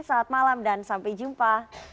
saat malam dan sampai jumpa